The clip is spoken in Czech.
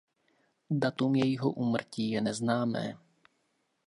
Datum jejího úmrtí je neznámé.